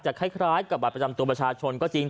คล้ายกับบัตรประจำตัวประชาชนก็จริง